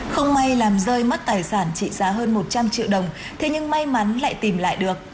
không may làm rơi mất tài sản trị giá hơn một trăm linh triệu đồng thế nhưng may mắn lại tìm lại được